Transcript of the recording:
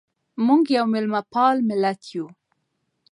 موږ یو مېلمه پال ملت یو.